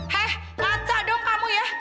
heh ngaca dong kamu ya